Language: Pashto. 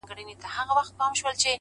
اې گوره تاته وايم ـ